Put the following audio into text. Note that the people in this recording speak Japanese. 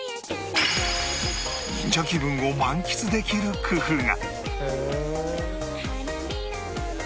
忍者気分を満喫できる工夫が